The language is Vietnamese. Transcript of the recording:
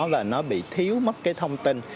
và nó bị thiếu mất cái thông tin